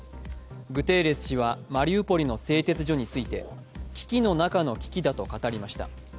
グテーレス氏はマリウポリの製鉄所について危機の中の危機だと語りました。